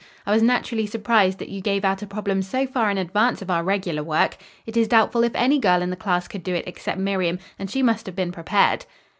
I was naturally surprised that you gave out a problem so far in advance of our regular work. It is doubtful if any girl in the class could do it except Miriam, and she must have been prepared."